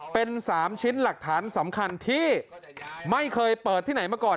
เป็น๓ชิ้นหลักฐานสำคัญที่ไม่เคยเปิดที่ไหนมาก่อน